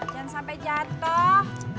jangan sampai jatuh